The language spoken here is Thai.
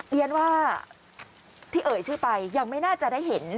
เรียนว่าที่เอ่ยชื่อไปยังไม่น่าจะได้เห็น